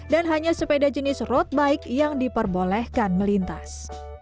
dan hanya sepeda jenis road bike yang diperbolehkan melintas